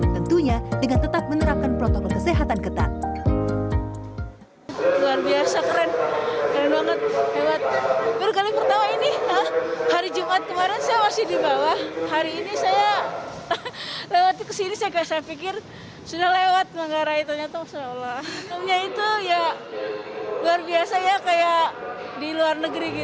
tentunya dengan tetap menerapkan protokol kesehatan getar